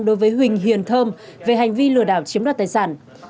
đối với huỳnh hiền thơm về hành vi lừa đảo chiếm đoạt tài sản